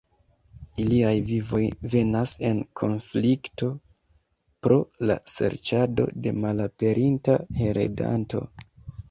Iliaj vivoj venas en konflikto pro la serĉado de malaperinta heredanto.